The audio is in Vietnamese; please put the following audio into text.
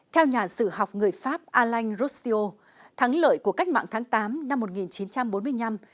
theo nhà sử học người pháp alain grossio thắng lợi của cách mạng tháng tám năm một nghìn chín trăm bốn mươi năm